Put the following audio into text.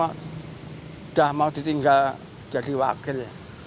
sudah mau ditinggal jadi wakil